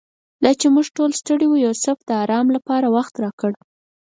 دا چې موږ ټول ستړي وو یوسف د آرام لپاره وخت راکړ.